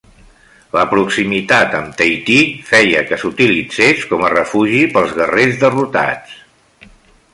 La proximitat amb Tahití feia que s'utilitzés com a refugi pels guerrers derrotats.